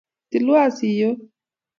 tilwa siyoik